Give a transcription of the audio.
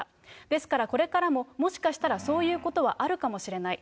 ですから、これからももしかしたら、そういうことはあるかもしれない。